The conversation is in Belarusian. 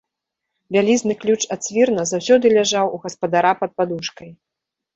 Вялізны ключ ад свірна заўсёды ляжаў у гаспадара пад падушкай.